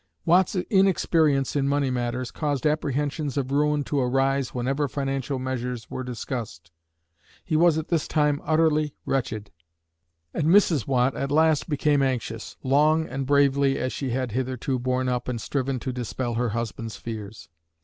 Watt's inexperience in money matters caused apprehensions of ruin to arise whenever financial measures were discussed. He was at this time utterly wretched, and Mrs. Watt at last became anxious, long and bravely as she had hitherto borne up and striven to dispel her husband's fears.